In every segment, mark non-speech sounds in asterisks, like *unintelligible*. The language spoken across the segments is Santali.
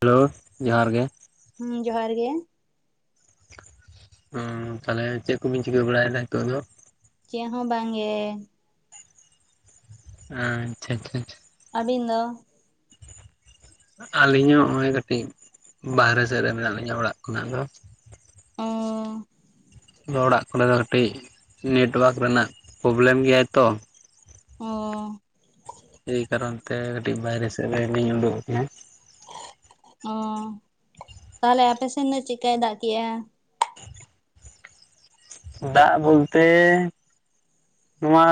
ᱦᱮᱞᱳ ᱡᱚᱦᱟᱨ ᱜᱮ ᱾ ᱦᱩᱸ ᱡᱚᱦᱟᱨ ᱜᱮ ᱾ ᱦᱩᱸ ᱛᱟᱦᱚᱞᱮ ᱪᱮᱫ ᱠᱚᱵᱤᱱ ᱪᱤᱠᱟᱹ ᱵᱟᱲᱟᱭᱮᱫᱟ ᱱᱤᱛᱚᱜ ᱫᱚ? ᱪᱮᱫ ᱦᱚᱸ ᱵᱟᱝᱜᱮ ᱾ ᱟᱻ ᱟᱪᱪᱷᱟ ᱟᱪᱪᱷᱟ ᱾ ᱟᱹᱵᱤᱱ ᱫᱚ? *inaudible* ᱟᱹᱞᱤᱧ ᱦᱚᱸ ᱦᱚᱜᱚᱭ ᱠᱟᱹᱴᱤᱡ ᱵᱟᱦᱨᱮ ᱥᱮᱫ ᱨᱮ ᱢᱮᱱᱟᱜ ᱞᱤᱧᱟ ᱚᱲᱟᱜ ᱠᱷᱚᱱᱟᱜ ᱫᱚ ᱾ ᱚᱻ ᱚᱲᱟᱜ ᱠᱚᱨᱮ ᱫᱚ ᱠᱟᱹᱴᱤᱡ ᱱᱮᱴᱣᱟᱨᱠ ᱨᱮᱱᱟᱜ ᱯᱚᱵᱞᱮᱢ ᱜᱮᱭᱟᱭ ᱛᱚ ᱾ ᱚᱻ ᱮᱭ ᱠᱟᱨᱚᱱ ᱛᱮ ᱠᱟᱹᱴᱤᱡ ᱵᱟᱭᱨᱮ ᱥᱮᱫ ᱨᱮᱞᱤᱧ ᱳᱰᱳᱜ ᱟᱠᱟᱱᱟ ᱾ ᱚᱻ ᱛᱟᱦᱞᱮ ᱟᱯᱮ ᱥᱮᱱ ᱫᱚ ᱪᱮᱫᱞᱮᱠᱟᱭ ᱫᱟᱜ ᱠᱮᱜᱼᱟ? *inaudible* ᱫᱟᱜ ᱵᱚᱞᱛᱮ ᱱᱚᱣᱟ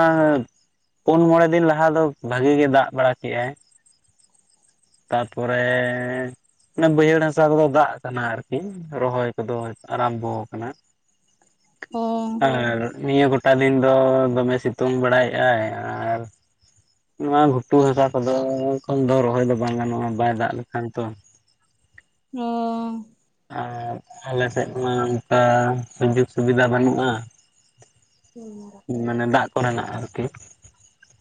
ᱯᱩᱱ ᱢᱚᱬᱮ ᱫᱤᱱ ᱞᱟᱦᱟ ᱫᱚ ᱵᱷᱟᱜᱤ ᱜᱮ ᱫᱟᱜ ᱵᱟᱲᱟ ᱠᱮᱜᱟᱭ ᱾ ᱛᱟᱨᱯᱚᱨᱮ *unintelligible* ᱵᱟᱹᱭᱦᱟᱹᱲ ᱦᱟᱥᱟ ᱠᱚᱫᱚ ᱫᱟᱜ ᱠᱟᱱᱟ ᱟᱨᱠᱤ ᱨᱚᱦᱚᱭ ᱠᱚᱫᱚ ᱟᱨᱟᱢᱵᱚ ᱟᱠᱟᱱᱟ ᱚ ᱾ *unintelligible* ᱱᱤᱭᱟᱹ ᱜᱚᱴ ᱛᱟᱞᱤᱧ ᱫᱚ ᱫᱚᱢᱮ ᱥᱤᱛᱩᱝ ᱵᱟᱲᱟᱭᱮᱜᱟᱭ ᱟᱨ ᱱᱚᱣᱟ ᱜᱷᱩᱴᱩ ᱦᱟᱥᱟ ᱠᱚᱫᱚ ᱮᱠᱷᱚᱱ ᱫᱚ ᱨᱚᱦᱚᱭ ᱫᱚ ᱵᱟᱝ ᱜᱟᱱᱚᱜᱼᱟ ᱵᱟᱭ ᱫᱟᱜ ᱞᱮᱠᱷᱟᱱ ᱛᱚ ᱾ ᱚᱻ ᱟᱨ ᱟᱞᱮ ᱥᱮᱫ ᱢᱟ ᱚᱱᱠᱟ ᱥᱩᱡᱳᱜᱽ ᱥᱩᱵᱤᱫᱷᱟ ᱵᱟᱹᱱᱩᱜᱼᱟ ᱾ ᱢᱟᱱᱮ ᱫᱟᱜ ᱠᱚᱨᱮᱱᱟᱜ ᱟᱨᱠᱤ ᱾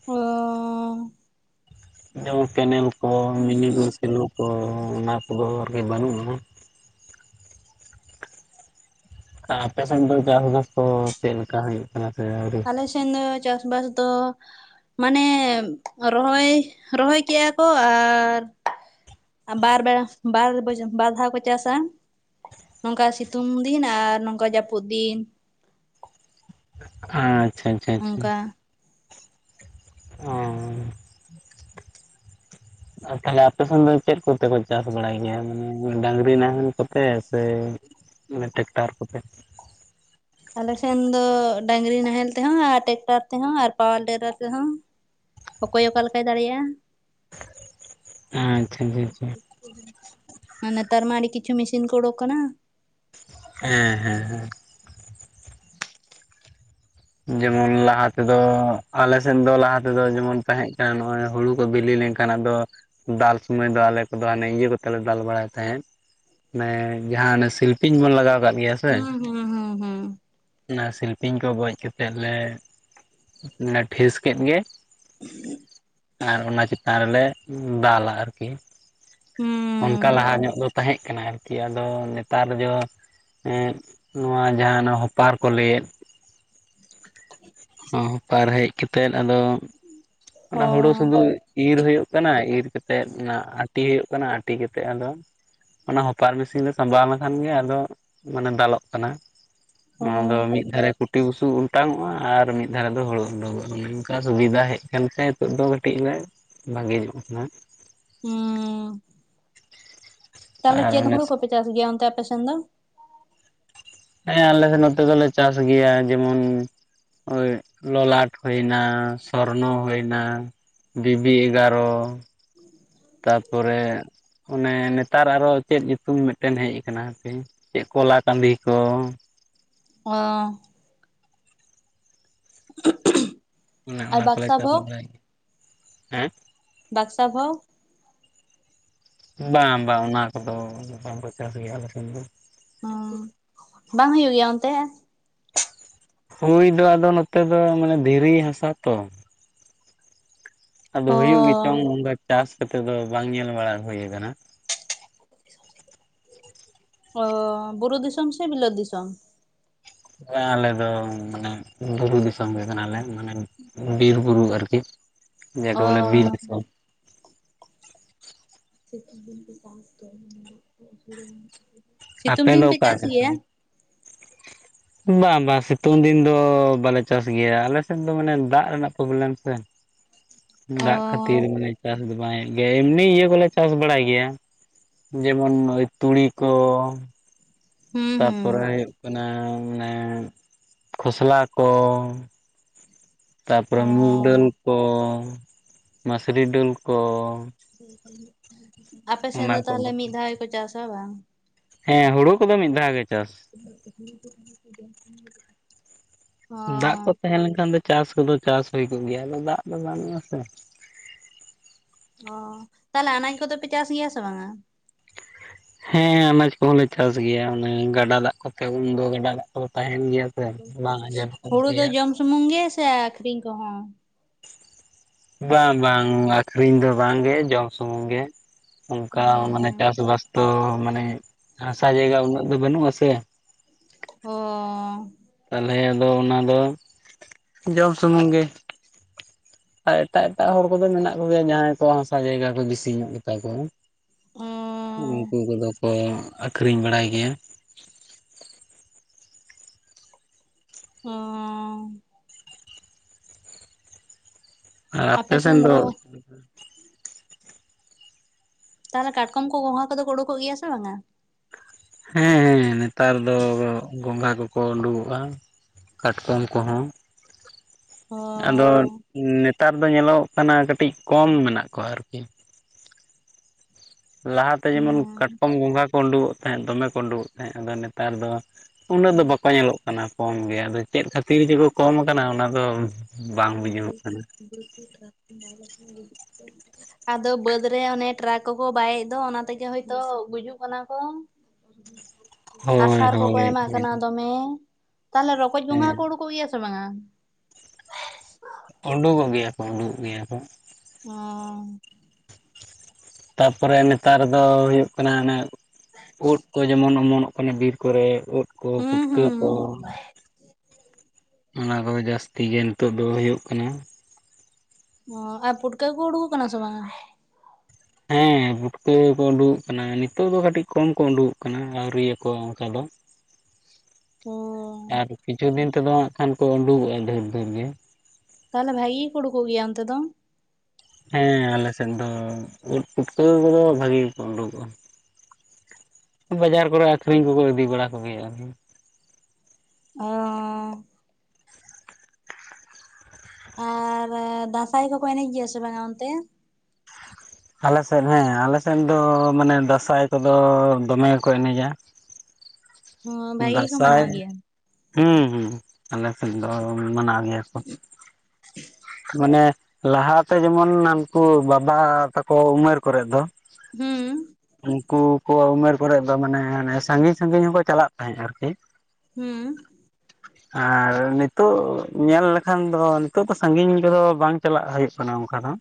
ᱚᱻ ᱡᱮᱢᱚᱱ ᱠᱮᱱᱮᱞ ᱠᱚ ᱢᱤᱱᱤ ᱠᱚ ᱥᱮᱞᱳ ᱠᱚ ᱚᱱᱟ ᱠᱚᱫᱚ ᱟᱨᱠᱤ ᱵᱟᱹᱱᱩᱜᱼᱟ ᱾ ᱟᱯᱮᱥᱮᱱ ᱫᱚ ᱪᱟᱥ ᱵᱟᱥ ᱠᱚ ᱪᱮᱫ ᱞᱮᱠᱟ ᱦᱩᱭᱩᱜ ᱠᱟᱱᱟ ᱥᱮ ᱟᱹᱣᱨᱤ? ᱟᱞᱮᱥᱮᱱ ᱫᱚ ᱪᱟᱥᱵᱟᱥ ᱫᱚ ᱢᱟᱱᱮ ᱨᱚᱦᱚᱭ, ᱨᱚᱦᱚᱭ ᱠᱮᱜᱼᱟ ᱠᱚ ᱟᱨ ᱟᱨ ᱵᱟᱨ ᱵᱮᱲᱟ ᱵᱟᱨ ᱵᱚᱡ ᱵᱟᱨ ᱫᱷᱟᱣ ᱠᱚ ᱪᱟᱥᱟ ᱾ ᱱᱚᱝᱠᱟ ᱥᱤᱛᱩᱝ ᱫᱤᱱ ᱟᱨ ᱱᱚᱝᱠᱟ ᱡᱟᱹᱯᱩᱫ ᱫᱤᱱ ᱾ ᱟᱪᱪᱷᱟ ᱟᱪᱪᱷᱟ ᱟᱪᱪᱷᱟ ᱾ ᱚᱱᱠᱟ ᱚᱸ ᱾ ᱟᱨ ᱛᱟᱦᱚᱞᱮ ᱟᱯᱮ ᱥᱮᱱ ᱫᱚ ᱪᱮᱫ ᱠᱚᱛᱮ ᱠᱚ ᱪᱟᱥ ᱵᱟᱲᱟᱭ ᱜᱮᱭᱟ ᱢᱟᱱᱮ ᱰᱟᱹᱝᱜᱨᱤ ᱱᱟᱦᱮᱞ ᱠᱚᱛᱮ ᱥᱮ ᱢᱟᱱᱮ ᱴᱮᱠᱴᱟᱨ ᱠᱚᱛᱮ? ᱟᱞᱮ ᱥᱮᱱ ᱫᱚ ᱰᱟᱺᱜᱨᱤ ᱱᱟᱦᱮᱞ ᱛᱮᱦᱚᱸ ᱟᱨ ᱴᱮᱠᱴᱟᱨ ᱛᱮᱦᱚᱸ ᱟᱨ ᱯᱟᱣᱟᱨ ᱴᱮᱞᱟᱨ ᱛᱮᱦᱚᱸ᱾ ᱚᱠᱚᱭ ᱚᱠᱟ ᱞᱮᱠᱟᱭ ᱫᱟᱲᱮᱭᱟᱜᱼᱟ ᱾ ᱟᱪᱪᱷᱟ *unintelligible* ᱢᱟ ᱱᱮᱛᱟᱨ ᱢᱟ ᱟᱹᱰᱤ ᱠᱤᱪᱷᱩ ᱢᱤᱥᱤᱱ ᱠᱚ ᱚᱰᱚᱠ ᱠᱟᱱᱟ ᱾ ᱦᱮᱸ, ᱦᱮᱸ, ᱦᱮᱸ᱾ ᱡᱮᱢᱚᱱ ᱞᱟᱦᱟ ᱛᱮᱫᱚ ᱟᱞᱮ ᱥᱮᱫ ᱫᱚ ᱞᱟᱦᱟ ᱛᱮᱫᱚ ᱡᱮᱢᱚᱱ ᱛᱟᱦᱮᱸᱠ ᱱᱚᱜᱚᱭ ᱦᱩᱲᱩ ᱠᱚ ᱵᱤᱞᱤ ᱞᱮᱱᱠᱷᱟᱱ ᱚᱱᱠᱟᱱᱟᱜ ᱫᱚ ᱫᱟᱞ ᱥᱚᱢᱚᱭ ᱫᱚ ᱟᱞᱮ ᱠᱚᱫᱚ ᱦᱟᱱᱮ ᱤᱭᱟᱹ ᱠᱚᱛᱮ ᱞᱮ ᱫᱟᱞ ᱵᱟᱲᱟᱭ ᱛᱟᱦᱮᱸᱫ ᱾ ᱢᱟᱱᱮ ᱡᱟᱦᱟᱸ ᱚᱱᱮ ᱥᱤᱞᱯᱤᱧ ᱵᱚᱱ ᱞᱟᱜᱟᱣ ᱠᱟᱜ᱾ ᱜᱮᱭᱟ ᱥᱮ ᱦᱩᱸ, ᱦᱩᱸ, ᱦᱩᱸ, ᱦᱩᱸ᱾ ᱚᱱᱟ ᱥᱤᱞᱯᱤᱧ ᱠᱚ ᱵᱚᱡ ᱠᱟᱛᱮᱫ ᱞᱮ ᱚᱱᱟ ᱴᱷᱤᱥ ᱠᱮᱫ ᱜᱮ *unintelligible* ᱟᱨ ᱚᱱᱟ ᱪᱮᱛᱟᱱ ᱨᱮᱞᱮ ᱫᱟᱞᱟ ᱟᱨᱠᱤ ᱾ ᱦᱩᱸ ᱚᱱᱠᱟ ᱞᱟᱦᱟ ᱧᱚᱜ ᱫᱚ ᱛᱟᱦᱮᱸᱜ ᱠᱟᱱᱟ ᱟᱨᱠᱤ ᱟᱫᱚ ᱱᱮᱛᱟᱨ ᱡᱚ ᱮᱸᱫ ᱱᱚᱣᱟ ᱡᱟᱦᱟᱸ ᱱᱚ ᱦᱚᱯᱟᱨ ᱠᱚ ᱞᱟᱹᱭᱮᱫ᱾ ᱦᱚᱸ ᱦᱚᱯᱟᱨ ᱦᱮᱡ ᱠᱟᱛᱮᱫ ᱟᱫᱚ ᱚ ᱚᱱᱟ ᱦᱩᱲᱩ ᱥᱩᱫᱩ ᱤᱨ ᱦᱩᱭᱩᱜ ᱠᱟᱱᱟ ᱤᱨ ᱠᱟᱛᱮᱫ ᱚᱱᱟ ᱟᱹᱴᱤ ᱦᱩᱭᱩᱜ ᱠᱟᱱᱟ ᱟᱹᱴᱤ ᱠᱟᱛᱮᱫ ᱟᱫᱚ ᱚᱱᱟ ᱦᱚᱯᱟᱨ ᱢᱤᱥᱤᱱ ᱨᱮ ᱥᱟᱸᱵᱟᱣ ᱞᱮᱠᱷᱟᱱ ᱜᱮ ᱟᱫᱚ ᱢᱟᱱᱮ ᱫᱟᱞᱚᱜ ᱠᱟᱱᱟ᱾ ᱚ ᱟᱫᱚ ᱢᱤᱫ ᱫᱷᱟᱨᱮ ᱠᱩᱴᱤ ᱵᱩᱥᱩᱵ ᱚᱴᱟᱝ ᱚᱜᱼᱟ ᱟᱨ ᱢᱤᱫ ᱫᱷᱟᱨᱮ ᱫᱚ ᱦᱩᱲᱩ ᱩᱰᱩᱠᱚᱜᱼᱟ ᱱᱚᱝᱠᱟ ᱥᱩᱵᱤᱫᱟ ᱦᱮᱡ ᱠᱟᱱᱛᱮ ᱱᱤᱛᱚᱜ ᱫᱚ ᱠᱟᱹᱴᱤᱡ ᱞᱮ ᱵᱷᱟᱜᱮ ᱧᱚᱜ ᱟᱠᱟᱱᱟ᱾ ᱦᱩᱸᱻ ᱛᱟᱦᱞᱮ ᱟᱨ ᱪᱮᱫ ᱚᱱᱮ ᱦᱩᱲᱩ ᱠᱚᱯᱮ ᱪᱟᱥ ᱜᱮᱭᱟ ᱚᱱᱛᱮ ᱟᱯᱮ ᱥᱮᱱ ᱫᱚ? ᱦᱮᱸ ᱟᱞᱮ ᱥᱮᱫ ᱱᱚᱛᱮ ᱫᱚᱞᱮ ᱪᱟᱥ ᱜᱮᱭᱟ ᱡᱮᱢᱚᱱ ᱦᱚᱭ ᱞᱚᱞᱟᱴ ᱦᱩᱭ ᱮᱱᱟ, ᱥᱚᱨᱱᱚ ᱦᱩᱭᱱᱟ᱾ ᱵᱤᱵᱤ ᱮᱜᱟᱨᱚ᱾ *inaudible* ᱛᱟᱯᱚᱨᱮ ᱚᱱᱮ ᱱᱮᱛᱟᱨ ᱟᱨᱚ ᱪᱮᱫ ᱧᱩᱛᱩᱢ ᱢᱤᱫ ᱴᱮᱝ ᱦᱮᱡ ᱟᱠᱟᱱᱟ ᱦᱟᱯᱮ ᱪᱮᱫ ᱠᱚᱞᱟ ᱠᱟᱸᱫᱤ ᱠᱚ ᱚᱸᱻ *unintelligible* ᱚᱱᱮ ᱟᱨ ᱚᱱᱟ ᱠᱚᱞᱮ ᱵᱟᱠᱥᱟ ᱪᱟᱥ ᱵᱷᱳᱜᱽ ᱵᱟᱲᱟᱭ ᱜᱮᱭᱟ, ᱦᱮᱸ ᱵᱟᱠᱥᱟ ᱵᱷᱟᱹᱣ᱾ ᱵᱟᱝ ᱵᱟᱝ ᱚᱱᱟ ᱠᱚᱫᱚ ᱵᱟᱝᱠᱚ ᱪᱟᱥ ᱜᱮᱭᱟ ᱟᱞᱮ ᱥᱮᱱ ᱫᱚ᱾ ᱚᱸ ᱵᱟᱝ ᱦᱩᱭᱩᱜ ᱜᱮᱭᱟ ᱚᱱᱛᱮ? ᱦᱩᱭ ᱫᱚ ᱟᱫᱚ ᱱᱚᱛᱮ ᱫᱚ ᱢᱟᱱᱮ ᱫᱷᱤᱨᱤ ᱦᱟᱥᱟ ᱛᱚ᱾ ᱟᱫᱚ ᱚ ᱦᱩᱭᱩᱜ ᱜᱮᱪᱚᱝ ᱚᱱᱠᱟ ᱪᱟᱥ ᱠᱟᱛᱮᱜ ᱫᱚ ᱵᱟᱝ ᱧᱮᱞ ᱵᱟᱲᱟ ᱦᱩᱭ ᱟᱠᱟᱱᱟ ᱾ ᱚ ᱵᱩᱨᱩ ᱫᱤᱥᱚᱢ ᱥᱮ ᱵᱤᱞᱟᱹᱫ ᱫᱤᱥᱚᱢ? ᱦᱮᱸ ᱟᱞᱮ ᱫᱚ ᱢᱟᱱᱮ ᱵᱩᱨᱩ ᱫᱤᱥᱚᱢ ᱜᱮᱚ ᱠᱟᱱᱟᱞᱮ᱾ ᱢᱟᱱᱮ ᱵᱤᱨ ᱵᱩᱨᱩ ᱟᱨ ᱠᱤ᱾ ᱚᱸᱻ *inaudible* *unintelligible* ᱥᱤᱛᱩᱝ ᱟᱯᱮ ᱫᱚ ᱫᱤᱱ ᱯᱮ ᱚᱠᱟ ᱪᱟᱥ ᱫᱤᱥᱚᱢ ᱜᱮᱭᱟ? *inaudible* ᱵᱟᱝ ᱵᱟᱝ ᱥᱤᱛᱩᱝ ᱫᱤᱱ ᱫᱚ ᱵᱟᱞᱮ ᱪᱟᱥ ᱜᱮᱭᱟ, ᱟᱞᱮ ᱥᱮᱜ ᱫᱚ ᱢᱟᱱᱮ ᱫᱟᱜ ᱨᱮᱱᱟᱜ ᱯᱨᱚᱵᱮᱞᱮᱢ ᱥᱮ᱾ ᱩᱸ ᱚ ᱫᱟᱜ ᱠᱷᱟᱹᱛᱤᱨ ᱢᱟᱱᱮ ᱪᱟᱥ ᱫᱚ ᱵᱟᱝ ᱦᱩᱭᱩᱜ ᱜᱮᱭᱟ ᱮᱢᱱᱤ ᱤᱭᱟᱹ ᱠᱚᱞᱮ ᱪᱟᱥ ᱵᱟᱲᱟᱭ ᱜᱮᱭᱟ᱾ ᱡᱮᱢᱚᱱ ᱱᱚᱜ-ᱚᱭ ᱛᱩᱲᱤ ᱠᱚ᱾ ᱦᱩᱸ ᱦᱩᱸ ᱛᱟᱯᱚᱨᱮ ᱦᱳᱭᱳᱜ ᱠᱟᱱᱟ ᱢᱟᱱᱮ ᱠᱷᱚᱥᱞᱟ ᱠᱚ᱾ ᱚ ᱛᱟᱯᱚᱨᱮ ᱢᱩᱸᱜᱽ ᱰᱟᱹᱞ ᱠᱚ ᱢᱟᱥᱨᱤ ᱰᱟᱹᱞ ᱠᱚ᱾ ᱟᱯᱮ ᱥᱮᱱ ᱚᱱᱟ ᱫᱚ ᱠᱚᱫᱚ ᱛᱟᱦᱟᱞᱮ ᱢᱤᱫ ᱫᱷᱟᱣ ᱜᱮᱠᱚ ᱪᱟᱥᱟ ᱵᱟᱝ? ᱦᱮᱸ ᱦᱳᱲᱳ ᱠᱚᱫᱚ ᱢᱤᱜ ᱫᱷᱟᱣ ᱜᱮ ᱪᱟᱥ᱾ *unintelligible* ᱫᱟᱜ ᱠᱚ ᱛᱟᱦᱮᱸ ᱞᱮᱱᱠᱷᱟᱱ ᱫᱚ ᱪᱟᱥ ᱠᱚᱫᱚ ᱪᱟᱥ ᱦᱳᱭ ᱠᱚᱜ ᱜᱮᱭᱟ ᱟᱫᱚ ᱫᱟᱜ ᱫᱚ ᱵᱟᱱᱩᱜ-ᱟ ᱥᱮ᱾ ᱚᱸᱻ ᱛᱟᱦᱚᱞᱮ ᱟᱱᱟᱡᱽ ᱠᱚᱫᱚ ᱯᱮ ᱪᱟᱥ ᱜᱮᱭᱟ ᱥᱮ ᱵᱟᱝᱟ? ᱦᱮᱸ ᱟᱱᱟᱡᱽ ᱠᱚᱦᱚᱸ ᱞᱮ ᱪᱟᱥ ᱜᱮᱭᱟ ᱚᱱᱮ ᱜᱟᱰᱟ ᱫᱟᱜ ᱠᱚᱛᱮ ᱩᱱ ᱫᱚ ᱜᱟᱰᱟ ᱫᱟᱜᱼᱼ ᱠᱚ ᱛᱟᱦᱮᱱ ᱜᱮᱭᱟ ᱥᱮ ᱵᱟᱝ ᱟᱸᱡᱮᱫ ᱜᱚᱫᱚᱜ ᱦᱩᱲᱩ ᱫᱚ ᱜᱮᱭᱟ᱾ ᱡᱚᱢ ᱥᱩᱢᱩᱝ ᱜᱮ ᱥᱮ ᱟᱠᱷᱨᱤᱧ ᱠᱚ ᱦᱚᱸ? ᱵᱟᱝ ᱵᱟᱝ ᱟᱠᱷᱨᱤᱧ ᱫᱚ ᱵᱟᱝ ᱜᱮ ᱡᱚᱢ ᱥᱩᱢᱩᱝ ᱜᱮ᱾ ᱚᱝᱠᱟ ᱢᱟᱱᱮ ᱪᱟᱥ-ᱵᱟᱥ ᱛᱚ ᱢᱟᱱᱮ ᱦᱟᱥᱟ ᱡᱟᱭᱜᱟ ᱩᱱᱟᱹᱜ ᱫᱚ ᱵᱟᱹᱱᱩᱜ-ᱟ ᱥᱮ᱾ ᱦᱚᱻ᱾ ᱛᱟᱦᱚᱞᱮ ᱟᱫᱚ ᱚᱱᱟ ᱫᱚ ᱡᱚᱢ ᱥᱩᱢᱩᱝ ᱜᱮ᱾ ᱟᱨ ᱮᱴᱟᱜ ᱮᱴᱟᱜ ᱦᱚᱲ ᱠᱚᱫᱚ ᱢᱮᱱᱟᱜ ᱠᱚ ᱜᱮᱭᱟ ᱡᱟᱦᱟᱸᱭ ᱠᱚᱣᱟᱜ ᱦᱟᱥᱟ ᱡᱟᱭᱜᱟ ᱠᱚ ᱵᱮᱥᱤ ᱧᱚᱜ ᱜᱮᱛᱟ ᱠᱚᱣᱟ᱾ ᱚ ᱩᱝᱠᱩ ᱠᱚᱫᱚ ᱠᱚ ᱟᱠᱷᱨᱤᱧ ᱵᱟᱲᱟᱭ ᱜᱮᱭᱟ᱾ ᱦᱩᱸ᱾ ᱟᱨ ᱟᱯᱮ ᱥᱮᱱ ᱫᱚ ᱚᱠᱟ ᱞᱮᱠᱟ ᱛᱟᱦᱚᱞᱮ ᱠᱟᱴᱠᱚᱢ ᱠᱚ ᱜᱚᱝᱜᱷᱟ ᱠᱚᱫᱚ ᱠᱚ ᱚᱰᱳᱠᱚᱜ ᱜᱮᱭᱟ ᱥᱮ ᱵᱟᱝᱟ? ᱦᱮᱸ ᱦᱮᱸ ᱱᱮᱛᱟᱨ ᱫᱚ ᱜᱚᱝᱜᱷᱟ ᱠᱚᱠᱚ ᱳᱰᱳᱠᱚᱜ-ᱟ᱿ ᱠᱟᱴᱠᱚᱢ ᱠᱚ ᱦᱚᱸ᱾ ᱟᱫᱚ ᱚ ᱱᱮᱛᱟᱨ ᱫᱚ ᱧᱮᱞᱚᱜ ᱠᱟᱱᱟ ᱠᱟᱹᱴᱤᱡ ᱠᱚᱢ ᱢᱮᱱᱟᱜ ᱠᱚᱣᱟ ᱟᱨᱠᱤ᱾ ᱞᱟᱦᱟ ᱛᱮ ᱡᱮᱢᱚᱱ ᱠᱟᱴᱠᱚᱢ ᱜᱚᱸᱜᱷᱟ ᱠᱚ ᱳᱸᱰᱳᱠᱚᱜ ᱛᱟᱦᱮᱸᱫ ᱫᱚᱢᱮ ᱠᱚ ᱳᱸᱰᱳᱠᱚᱜ ᱛᱟᱦᱮᱸᱜ ᱟᱫᱚ ᱱᱮᱛᱟᱨ ᱫᱚᱼᱼ ᱩᱱᱟᱹᱜ ᱫᱚ ᱵᱟᱠᱚ ᱧᱮᱞᱚᱜ ᱠᱟᱱᱟ ᱠᱚᱢ ᱜᱮ ᱟᱫᱚ ᱪᱮᱫ ᱠᱷᱟᱹᱛᱤᱨ ᱡᱮᱠᱚ ᱠᱚᱢ ᱠᱟᱱᱟ ᱚᱱᱟ ᱫᱚᱼᱼ ᱪᱮ‌ ᱢᱮ ᱜᱟᱰᱤ *inaudible* ᱟᱫᱚ ᱵᱟᱹᱫᱽ ᱨᱮ ᱚᱱᱮ ᱴᱨᱟᱠ ᱠᱚᱠᱚ ᱵᱟᱭᱮᱜ ᱫᱚ ᱚᱱᱟ ᱛᱮᱜᱮ ᱦᱚᱭᱛᱚ ᱜᱩᱡᱩᱜ ᱠᱟᱱᱟ ᱠᱚ᱾ ᱟᱨ ᱦᱳᱭ ᱥᱟᱨ ᱠᱚᱠᱚ ᱦᱳᱭ ᱮᱢᱟᱜ ᱠᱟᱱᱟ ᱫᱚᱢᱮ᱾ ᱛᱟᱦᱚᱞᱮ ᱨᱚᱠᱚᱡᱽ ᱜᱚᱝᱜᱷᱟ ᱠᱚ ᱦᱮᱸ ᱳᱰᱳᱠᱚᱜ ᱜᱮᱭᱟ ᱥᱮ ᱵᱟᱝᱟ? ᱳᱸᱰᱳᱜᱚᱜ ᱜᱮᱭᱟ ᱠᱚ ᱩᱸᱰᱩᱜ ᱜᱮᱭᱟ ᱠᱚ᱾ ᱚᱸᱻ᱾ ᱛᱟᱯᱚᱨᱮ ᱱᱮᱛᱟᱨ ᱫᱚ ᱦᱩᱭᱩᱜ ᱠᱟᱱᱟ ᱟᱱᱮ ᱩᱫ ᱠᱚ ᱡᱮᱢᱚᱱ ᱚᱢᱚᱱᱚᱜᱼᱼ ᱠᱟᱱᱟ ᱵᱤᱨ ᱠᱚᱨᱮ ᱳᱫ ᱠᱚ ᱦᱩᱸ ᱯᱩᱴᱠᱟᱹ ᱠᱚ᱾ ᱦᱩᱸ ᱚᱱᱟ ᱠᱚ ᱜᱮ ᱡᱟᱥᱛᱤ ᱜᱮ ᱱᱤᱛᱚᱜ ᱫᱚ ᱦᱳᱭᱳᱜ ᱠᱟᱱᱟ᱾ ᱚᱸᱻ ᱟᱨ ᱯᱩᱴᱠᱟᱹ ᱠᱚ ᱩᱰᱩᱠᱚᱜ ᱠᱟᱱᱟ ᱥᱮ ᱵᱟᱝᱟ? ᱦᱮᱸ ᱯᱩᱴᱠᱟᱹ ᱠᱚ ᱩᱰᱩᱠᱚᱜ ᱠᱟᱱᱟ ᱱᱤᱛᱚᱜ ᱫᱚ ᱠᱟᱹᱴᱤᱡ ᱠᱚᱢ ᱠᱚ ᱩᱰᱩᱠᱚᱜ ᱠᱟᱱᱟ ᱟᱹᱣᱨᱤ ᱭᱟ ᱠᱚᱣᱟ ᱚᱝᱠᱟ ᱫᱚ᱾ ᱚ ᱟᱨ ᱠᱤᱪᱷᱩ ᱫᱤᱱ ᱛᱮᱫᱚ ᱦᱟᱸᱜ ᱠᱷᱟᱱ ᱠᱚ ᱩᱸᱰᱩᱜᱚᱜ-ᱟ ᱰᱷᱮᱨᱼᱰᱷᱮᱨ ᱜᱮ᱾ ᱛᱟᱦᱚᱞᱮ ᱵᱷᱟᱜᱤ ᱜᱤᱠᱩ ᱩᱰᱩᱠᱚᱜ ᱜᱮᱭᱟ ᱚᱱᱛᱮ ᱫᱚ᱾ ᱦᱮᱸ ᱟᱞᱮ ᱥᱮᱱ ᱫᱚ ᱩᱫ ᱯᱩᱴᱠᱟᱹᱣ ᱠᱚᱫᱚ ᱵᱷᱟᱜᱤ ᱜᱮᱠᱚ ᱩᱸᱰᱩᱜᱚᱜ-ᱟ᱾ ᱵᱟᱡᱟᱨ ᱠᱚᱨᱮ ᱟᱠᱷᱨᱤᱧ ᱠᱚᱠᱚ ᱤᱫᱤ ᱵᱟᱲᱟ ᱠᱚ ᱜᱮᱭᱟ ᱟᱨ ᱠᱤ᱾ ᱚᱸᱻ᱾ ᱟᱨ ᱫᱟᱸᱥᱟᱭ ᱠᱚᱠᱚ ᱮᱱᱮᱡ ᱜᱮᱭᱟ ᱥᱮ ᱵᱟᱝᱟ ᱚᱱᱛᱮ? ᱟᱞᱮ ᱥᱮᱱ ᱦᱮᱸ ᱟᱞᱮ ᱥᱮᱱ ᱫᱚ ᱢᱟᱱᱮ ᱫᱟᱸᱥᱟᱭ ᱠᱚᱫᱚ ᱫᱚᱢᱮ ᱜᱮᱠᱚ ᱮᱱᱮᱡᱟ᱾ ᱦᱚᱸ ᱩᱸ ᱵᱷᱟᱜᱤ ᱜᱮᱠᱚ ᱫᱟᱸᱥᱟᱭ ᱢᱟᱱᱟᱣ ᱜᱮᱭᱟ ᱦᱩᱸ ᱦᱩᱸ ᱟᱞᱮ ᱥᱮᱱ ᱫᱚ ᱢᱟᱱᱟᱣ ᱜᱮᱭᱟ ᱠᱚ᱾ ᱢᱟᱱᱮ ᱞᱟᱦᱟ ᱛᱮ ᱡᱮᱢᱚᱱ ᱦᱟᱹᱱᱠᱩ ᱵᱟᱵᱟ ᱛᱟᱠᱚ ᱩᱢᱮᱨ ᱠᱚᱨᱮᱫ ᱫᱚᱼᱼ ᱦᱩᱸ ᱩᱱᱠᱩᱼᱼ ᱠᱚ ᱣᱟᱜ ᱩᱢᱮᱨ ᱠᱚᱨᱮ ᱫᱚ ᱢᱟᱱᱮ ᱚᱱᱮ ᱥᱟᱹᱜᱤᱧ ᱥᱟᱹᱜᱤᱧ ᱦᱚᱸ ᱠᱚ ᱪᱟᱞᱟᱜ ᱛᱟᱦᱮᱸᱜ ᱟᱨ ᱠᱤ᱾ ᱦᱩᱸᱻ ᱟᱨ ᱱᱤᱛᱚᱜ ᱧᱮᱞ ᱞᱮᱠᱷᱟᱱ ᱫᱚ ᱱᱤᱛᱚᱜ ᱫᱚ ᱱᱤᱛᱚᱜᱼᱼ ᱥᱟᱹᱜᱤᱧ ᱠᱚᱫᱚ ᱵᱟᱝ ᱪᱟᱞᱟᱜ ᱦᱩᱭᱩᱜ ᱠᱟᱱᱟ ᱚᱱᱠᱟ ᱫᱚ᱾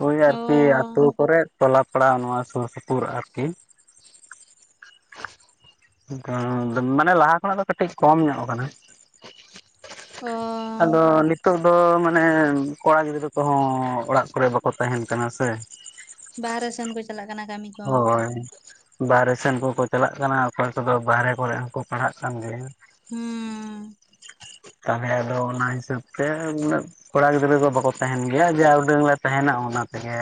ᱦᱳᱭ ᱚ ᱟᱨᱠᱤ ᱟᱛᱳ ᱠᱚᱨᱮᱜ ᱴᱚᱞᱟ ᱯᱟᱲᱟ ᱱᱚᱣᱟ ᱥᱩᱨ ᱥᱩᱯᱩᱨ ᱟᱨᱠᱤ ᱵᱟᱝ ᱢᱟᱱᱮ ᱞᱟᱦᱟ ᱠᱷᱚᱱᱟᱜ ᱫᱚ ᱠᱟᱹᱴᱤᱡ ᱠᱚᱢ ᱧᱚᱜ ᱠᱟᱱᱟ᱾ ᱚ ᱟᱫᱚ ᱱᱤᱛ ᱱᱤᱛᱚᱜ ᱫᱚ ᱢᱟᱱᱮ ᱠᱚᱲᱟ ᱜᱤᱫᱽᱨᱟᱹ ᱠᱚᱦᱚᱸ ᱚᱲᱟᱜ ᱠᱚᱨᱮ ᱵᱟᱠᱚ ᱛᱟᱦᱮᱱ ᱠᱟᱱᱟ ᱥᱮ᱾ ᱵᱟᱦᱟᱨᱮ ᱥᱮᱱ ᱠᱚ ᱪᱟᱞᱟᱜ ᱠᱟᱱᱟ ᱠᱟᱹᱢᱤ, ᱠᱚ ᱦᱳᱭ᱾ ᱵᱟᱨᱦᱮ ᱥᱮᱱ ᱠᱚᱠᱚ ᱪᱟᱞᱟᱜ ᱠᱟᱱᱟ ᱚᱠᱚᱭ ᱠᱚᱫᱚ ᱵᱟᱨᱦᱮ ᱠᱚᱨᱮ ᱦᱚᱸᱠᱚ ᱯᱟᱲᱦᱟᱜ ᱠᱟᱱ ᱜᱮᱭᱟ᱾ ᱦᱩᱸ ᱛᱟᱦᱚᱞᱮ ᱟᱫᱚ ᱚᱱᱟ ᱦᱤᱥᱟᱹᱵ ᱛᱮ ᱩᱱᱟᱹᱜ ᱠᱚᱲᱟ ᱜᱤᱫᱽᱨᱟᱹ ᱠᱚ ᱵᱟᱠᱚ ᱛᱟᱦᱮᱱ ᱜᱮᱭᱟ ᱡᱟ ᱩᱰᱟᱹᱝ ᱞᱮ ᱛᱟᱦᱮᱱᱟ ᱚᱱᱟ ᱛᱮᱜᱮ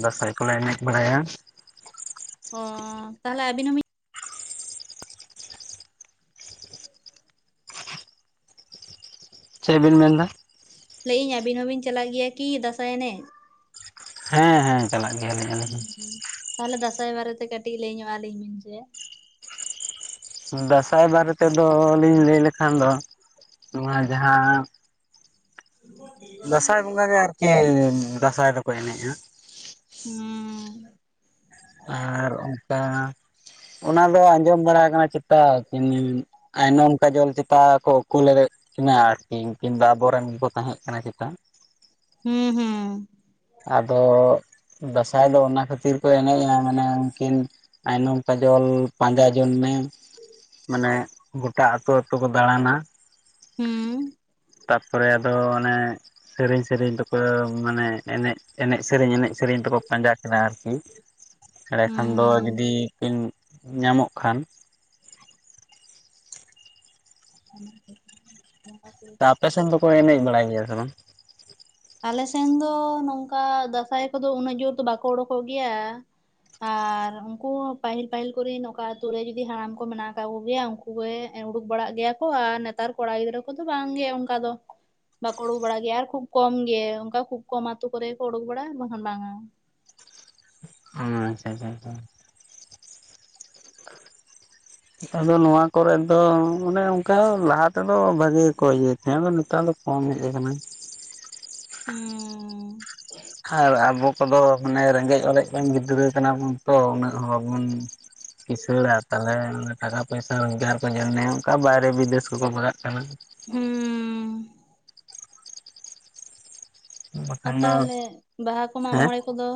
ᱫᱟᱸᱥᱟᱭ ᱠᱚᱞᱮ ᱮᱱᱮᱡ ᱵᱟᱲᱟᱭᱟ᱾ ᱚ ᱛᱟᱦᱚᱞᱮ ᱟᱵᱤᱱᱚ ᱦᱚᱸ ᱢᱤᱫ ᱪᱮᱫ ᱵᱮᱱ ᱢᱮᱱ ᱮᱫᱟ? ᱞᱟᱹᱭ ᱮᱫᱟᱹᱧ ᱟᱵᱤᱱ ᱦᱚᱸᱵᱤᱱ ᱪᱟᱞᱟᱜ ᱜᱮᱭᱟ ᱠᱤ ᱫᱟᱸᱥᱟᱭ ᱮᱱᱮᱡ? ᱦᱮᱸ ᱦᱮᱸ ᱪᱟᱞᱟᱜ ᱜᱮᱭᱟᱞᱮ ᱟᱹᱞᱤ ᱦᱚᱸ ᱛᱟ ᱦᱚᱞᱮ ᱫᱟᱸᱥᱟᱭ ᱵᱟᱨᱮᱛᱮ ᱠᱟᱹᱴᱤᱡ ᱞᱟᱹᱭ ᱧᱚᱜ ᱟᱹᱞᱤᱧ ᱵᱤᱱ ᱥᱮ? ᱫᱟᱸᱥᱟᱭ ᱵᱟᱨᱮ ᱛᱮᱫ ᱞᱤᱧ ᱞᱟᱹᱭ ᱞᱮ ᱠᱷᱟᱱ ᱫᱚ ᱱᱚᱣᱟ ᱡᱟᱦᱟᱸ ᱫᱟᱸᱥᱟᱭ ᱵᱚᱸᱜᱟ ᱜᱮ ᱟᱨᱠᱤ ᱫᱟᱸᱥᱟᱭ ᱫᱚᱠᱚ ᱮᱱᱮᱡᱼᱟ᱾ ᱦᱩᱢ ᱟᱨ ᱚᱱᱠᱟ ᱚᱱᱟ ᱫᱚ ᱟᱸᱡᱚᱢ ᱵᱟᱲᱟ ᱠᱟᱱᱟ ᱪᱮᱛᱟ ᱠᱤᱱᱼᱼ ᱟᱭᱱᱚᱢ ᱠᱟᱡᱚᱞ ᱪᱮᱛᱟᱱ ᱠᱚ ᱠᱩᱞᱮᱫᱮ ᱠᱤᱱᱟ ᱟᱨᱠᱤ ᱩᱱᱠᱤᱱ ᱫᱚ ᱟᱵᱚᱨᱮᱱ ᱠᱚ ᱛᱟᱦᱮᱸ ᱠᱟᱱᱟ ᱪᱮᱛᱟᱱ᱾ ᱦᱩᱸ ᱦᱩᱸ ᱟᱫᱚ ᱫᱟᱸᱥᱟᱭ ᱫᱚ ᱚᱱᱟ ᱠᱷᱟᱹᱛᱤᱨ ᱠᱚ ᱮᱱᱮᱡᱼᱟ ᱢᱟᱱᱮ ᱩᱱᱠᱤᱱ ᱟᱭᱱᱚᱢ ᱠᱟᱡᱚᱞ ᱯᱟᱸᱡᱟ ᱡᱚᱱ ᱢᱮ ᱢᱟᱱᱮ ᱜᱚᱴᱟ ᱟᱛᱳ ᱟᱹᱛᱩ ᱠᱚ ᱫᱟᱬᱟᱱᱟ᱾ ᱦᱩᱢ ᱛᱟᱨ ᱯᱚᱨᱮ ᱟᱫᱚ ᱚᱱᱮ ᱥᱮᱨᱮᱧ ᱥᱮᱨᱮᱧ ᱫᱚᱠᱚ ᱢᱟᱱᱮ ᱮᱱᱮᱡ ᱮᱱᱮᱡ ᱥᱮᱨᱮᱧ ᱮᱱᱮᱡ ᱥᱮᱨᱮᱧ ᱛᱮᱠᱚ ᱯᱟᱸᱡᱟ ᱠᱤᱱᱟ ᱟᱨᱠᱤ ᱮᱸᱰᱮ ᱠᱷᱟᱱ ᱫᱚ ᱦᱩᱸ ᱡᱩᱫᱤ ᱠᱤᱱ ᱧᱟᱢᱚᱜ ᱠᱷᱟᱱ᱾ ᱚᱱᱟ ᱛᱮ *inaudible* ᱛᱟ ᱟᱯᱮ ᱥᱮᱱ ᱫᱚᱠᱚ ᱮᱱᱮᱡ ᱵᱟᱲᱟᱭ ᱜᱮᱭᱟ ᱥᱮ ᱵᱟᱝ? ᱟᱞᱮ ᱥᱮᱱ ᱫᱚ ᱱᱚᱝ ᱠᱟ ᱫᱟᱸᱥᱟᱭ ᱠᱚᱫᱚ ᱩᱱᱟᱹᱜ ᱡᱳᱨ ᱫᱚ ᱵᱟᱠᱚ ᱩᱰᱩᱠᱚᱜ ᱜᱮᱭᱟ᱾ ᱟᱨ ᱩᱱᱠᱩ ᱯᱟᱹᱦᱤᱞ ᱯᱟᱹᱦᱤᱞ ᱠᱚᱨᱮᱱ ᱚᱠᱟ ᱟᱛᱩ ᱨᱮ ᱡᱩᱫᱤ ᱦᱟᱲᱟᱢᱠᱩ ᱢᱮᱱᱟᱜ ᱟᱠᱟᱫ ᱠᱚ ᱜᱮᱭᱟ ᱩᱱᱠ ᱩᱱᱠᱩ ᱩᱰᱩᱠ ᱵᱟᱲᱟᱜ ᱜᱮᱭᱟ ᱠᱚ ᱟᱨ ᱱᱮᱛᱟᱨ ᱠᱚᱲᱟ ᱜᱤᱫᱽᱨᱟᱹ ᱠᱚᱫᱚ ᱵᱟᱝᱜᱮ ᱚᱱᱠᱟ ᱫᱚ᱾ ᱵᱟᱠᱚ ᱩᱰᱩᱠ ᱵᱟᱲᱟᱜ ᱜᱮᱭᱟ ᱟᱨ ᱠᱷᱩᱵ ᱠᱚᱢ ᱜᱮ ᱚᱱᱠᱟ ᱠᱷᱩᱵ ᱠᱚᱢ ᱟᱛᱳ ᱠᱚᱨᱮ ᱠᱚ ᱩᱰᱩᱠ ᱵᱟᱲᱟᱜᱼᱟ ᱵᱟᱠᱷᱟᱱ ᱵᱟᱝ᱾ ᱦᱩᱸ ᱟᱪᱪᱷᱟ ᱟᱪᱪᱷᱟ ᱟᱪᱪᱷᱟ *inaudible* ᱟᱫᱚ ᱱᱚᱣᱟ ᱠᱚᱨᱮ ᱫᱚ ᱟᱱᱮ ᱚᱱᱠᱟ ᱞᱟᱦᱟ ᱛᱮᱫᱚ ᱵᱷᱟᱜᱮ ᱜᱮᱠᱚ ᱤᱭᱟᱹ ᱛᱟᱦᱮᱸᱫ ᱟᱫᱚ ᱱᱮᱛᱟᱨ ᱫᱚ᱾ ᱠᱚᱢ ᱦᱮᱡ ᱟᱠᱟᱱᱟ᱾ ᱩᱸᱻ ᱟᱨ ᱟᱵᱚ ᱠᱚᱫᱚ ᱢᱟᱱᱮ ᱨᱮᱸᱜᱮᱡ ᱚᱨᱮᱡ ᱨᱮᱱ ᱜᱤᱫᱽᱨᱟᱹ ᱠᱟᱱᱟ ᱵᱚᱱ ᱛᱚ ᱩᱱᱟᱹᱜ ᱦᱚᱸ ᱵᱟᱵᱚᱱ ᱠᱤᱥᱟᱹᱲᱟ ᱛᱟᱞᱦᱮ ᱚᱱᱟ ᱴᱟᱠᱟ ᱯᱚᱭᱥᱟ ᱨᱳᱡᱽᱜᱟᱨ ᱠᱚ ᱧᱟᱢ ᱢᱮᱭᱟ ᱚᱱᱠᱟ ᱵᱟᱭᱨᱮ ᱵᱤᱫᱮᱥ ᱠᱚᱠᱚ ᱵᱟᱜᱟᱜ ᱠᱟᱱᱟ‌᱾ ᱦᱩᱸᱻ ᱟᱨ ᱵᱟᱠᱷᱟᱱ ᱫᱚ ᱛᱟᱦᱚᱞᱮ ᱵᱟᱦᱟ ᱠᱚ ᱦᱮᱸ ᱢᱟᱜᱢᱚᱬᱮ ᱠᱚᱫᱚ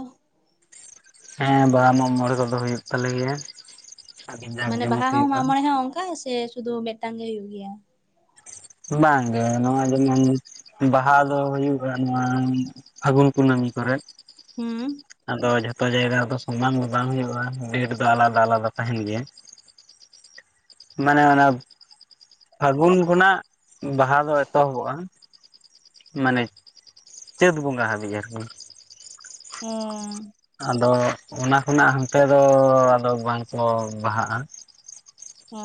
ᱦᱮᱸ ᱵᱟᱦᱟ ᱢᱟᱜᱢᱚᱬᱮ ᱠᱚᱫᱚ ᱦᱩᱭᱩᱜ ᱛᱟᱞᱮ ᱜᱮᱭᱟ᱾ ᱟᱹᱰᱤ ᱡᱟᱸᱠ ᱢᱟᱱᱮ ᱵᱟᱦᱟ ᱡᱚᱢᱚᱠ ᱦᱚᱸ ᱦᱩᱭᱩᱜᱼᱟ ᱢᱟᱜᱢᱚᱬᱮ ᱦᱚᱸ ᱚᱱᱠᱟ ᱜᱮᱥᱮ ᱥᱩᱫᱷᱩ ᱢᱤᱫᱴᱟᱝ ᱜᱮ ᱦᱳᱭᱳᱜ ᱜᱮᱭᱟ? ᱵᱟᱝ ᱜᱮ ᱱᱚᱣᱟ ᱡᱮᱢᱚᱱ᱾ ᱵᱟᱦᱟ ᱫᱚ ᱦᱩᱭᱩᱜᱼᱟ ᱱᱚᱶᱟ ᱯᱷᱟᱹᱜᱩᱱ ᱠᱩᱱᱟᱹᱢᱤ ᱠᱚᱨᱮᱫ᱾ ᱦᱩᱸ ᱟᱫᱚ ᱡᱷᱚᱛᱼᱼ ᱡᱚᱛᱚ ᱡᱟᱭᱜᱟ ᱫᱚ ᱥᱚᱢᱟᱱ ᱫᱚ ᱵᱟᱝ ᱦᱩᱭᱩᱜᱼᱟ ᱰᱮᱴ ᱫᱚ ᱟᱞᱟᱫᱟ ᱟᱞᱟᱫᱟ ᱛᱟᱦᱮᱱ ᱜᱮᱭᱟ᱾ ᱢᱟᱱᱮ ᱚᱱᱟ ᱯᱷᱟᱹᱜᱩᱱ ᱠᱷᱚᱱᱟᱜ ᱵᱟᱦᱟ ᱫᱚ ᱮᱛᱚᱦᱚᱵᱚᱜᱼᱟ᱾ ᱢᱟᱱᱮ ᱪᱟᱹᱛ ᱵᱚᱸᱜᱟ ᱦᱟᱹᱵᱤᱡ ᱟᱨᱠᱤ᱾ ᱚᱸ ᱟᱫᱚ ᱚᱱᱟ ᱠᱷᱚᱱᱟᱜ ᱦᱟᱱᱛᱮ ᱫᱚᱻ ᱟᱫᱚ ᱵᱟᱝᱠᱚ ᱵᱟᱦᱟᱜᱼᱟ᱾ ᱚᱻ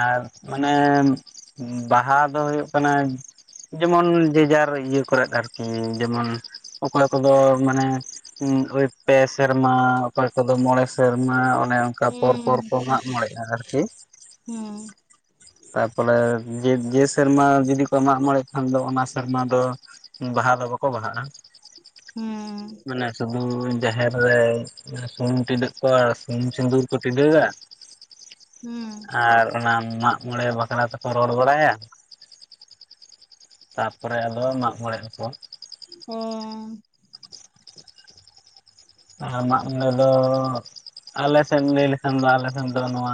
ᱟᱨ ᱢᱟᱱᱮ ᱵᱟᱦᱟ ᱫᱚ ᱦᱳᱭᱳᱜ ᱠᱟᱱᱟ ᱡᱮᱢᱚᱱ ᱡᱮ ᱡᱟᱨ᱾ ᱤᱭᱟᱹ ᱠᱚᱨᱮᱫ ᱟᱨᱠᱤ ᱡᱮᱢᱚᱱ ᱚᱠᱚᱭ ᱠᱚᱫᱚ ᱢᱟᱱᱮ᱾ ᱩᱸᱜ ᱦᱳᱭ ᱯᱮ ᱥᱮᱨᱢᱟ ᱚᱠᱚᱭ ᱠᱚᱫᱚ ᱢᱚᱬᱮ ᱥᱮᱨᱢᱟ᱾ ᱚᱱᱮ ᱚᱱᱠᱟ ᱯᱚᱨ ᱯᱚᱨ ᱦᱩᱸ ᱠᱚ ᱢᱟᱜᱢᱚᱬᱮᱜᱼᱟ ᱟᱨᱠᱤ᱾ ᱦᱩᱸ ᱛᱟᱯᱚᱨᱮ ᱡᱮ ᱡᱮ ᱥᱮᱨᱢᱟ ᱡᱩᱫᱤ ᱠᱚ ᱢᱟᱜ ᱢᱚᱬᱮᱜ ᱠᱷᱟᱱ ᱫᱚ ᱚᱱᱟ ᱥᱮᱨᱢᱟ ᱫᱚ᱾ ᱵᱟᱦᱟ ᱫᱚ ᱵᱟᱠᱚ ᱵᱟᱦᱟᱜᱼᱟ ᱦᱩᱸ ᱢᱟᱱᱮ ᱥᱩᱼᱼ ᱩᱻ ᱡᱟᱦᱮᱨ ᱨᱮ ᱥᱩᱱᱩᱢ ᱴᱤᱰᱟᱹᱜ ᱠᱚ ᱥᱩᱱᱩᱢ ᱥᱤᱸᱫᱩᱨ ᱠᱚ ᱴᱤᱰᱟᱹᱜᱟ᱾ *unintelligible* ᱦᱩᱸ ᱟᱨ ᱚᱱᱟ ᱢᱟᱜᱢᱚᱬᱮ ᱵᱟᱠᱷᱨᱟ ᱛᱮᱠᱚ ᱨᱚᱲ ᱵᱟᱲᱟᱭᱟ᱾ ᱛᱟᱯᱚᱨᱮ ᱟᱫᱚ ᱢᱟᱜ ᱢᱚᱬᱮᱜ ᱟᱮᱠᱚ᱾ ᱚᱻ ᱟᱨ ᱢᱟᱜᱢᱚᱬᱮ ᱫᱚᱻ ᱚ᱾ ᱟᱞᱮ ᱥᱮᱱ ᱮᱢ ᱞᱟᱹᱭ ᱞᱮᱠᱷᱟᱱ ᱫᱚ ᱟᱞᱮ ᱥᱮᱱ ᱫᱚ ᱱᱚᱣᱟ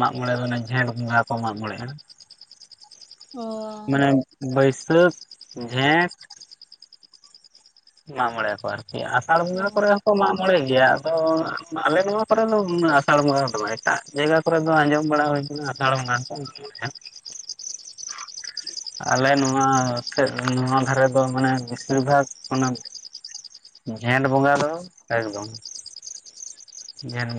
ᱢᱟᱜᱢᱚᱬᱮ ᱫᱚ ᱡᱷᱮᱸᱴ ᱵᱚᱸᱜᱟ ᱠᱚ ᱢᱟᱜᱽ ᱢᱚᱬᱮᱜᱼᱟ᱾ ᱚ ᱢᱟᱱᱮ ᱵᱟᱹᱭᱥᱟᱹᱠᱷ ᱡᱷᱮᱸᱴ᱾ ᱢᱟᱜᱢᱚᱬᱮᱜ ᱟᱠᱚ ᱟᱨᱠᱤ ᱟᱥᱟᱲ ᱵᱚᱸᱜᱟ ᱚ ᱠᱚᱨᱮ ᱦᱚᱸᱠᱚ ᱢᱟᱜᱼᱼ ᱢᱚᱬᱮᱜ ᱜᱮᱭᱟ ᱟᱫᱚ ᱟᱞᱮ ᱱᱚᱣᱟ ᱠᱚᱨᱮ ᱫᱚ ᱩᱱᱟᱹᱜ ᱟᱥᱟᱲ ᱵᱚᱸᱜᱟ ᱫᱚ ᱵᱟᱝ ᱮᱴᱟᱜ ᱡᱟᱭᱜᱟ᱾ ᱱᱚᱣᱟ ᱠᱚᱨᱮ ᱫᱚ ᱟᱸᱡᱚᱢ ᱵᱟᱲᱟ ᱦᱩᱭ ᱟᱠᱟᱱᱟ ᱟᱥᱟᱲ ᱾ ᱦᱚᱸ ᱠᱚ ᱢᱟᱜᱢᱚᱬᱮᱜᱼᱟ᱾ ᱟᱞᱮ ᱱᱚᱣᱟ ᱥᱮᱫ ᱱᱚᱣᱟ ᱫᱷᱟᱨᱮ ᱫᱚ ᱢᱟᱱᱮ ᱵᱤᱥᱤᱨ ᱵᱷᱟᱜᱽ᱾ ᱡᱷᱮᱸᱴ ᱵᱚᱸᱜᱟ ᱫᱚ ᱮᱠᱫᱚᱢ ᱡᱷᱮᱸᱴ ᱵᱚᱸᱜᱟ᱾